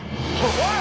おい！